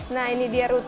nah ini dia rute